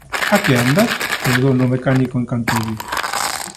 _¿A que andas? _saudouno o mecánico en canto o viu_.